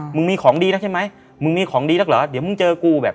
มึงมีของดีแล้วใช่ไหมมึงมีของดีแล้วเหรอเดี๋ยวมึงเจอกูแบบ